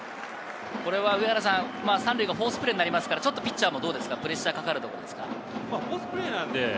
ここは３塁がフォースプレーになりますから、ちょっとピッチャーにもプレッシャーがかかるところですか？